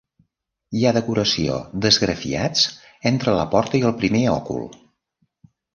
Hi ha decoració d'esgrafiats entre la porta i el primer òcul.